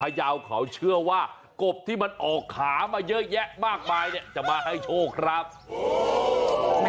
พระเยาของเชื่อว่ากบที่มันออกขามาเยอะแยะมากมายจะมาให้โชคครับ